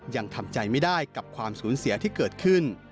ยังทำใจไม่ได้กับความสูญเสียที่เกิดขึ้น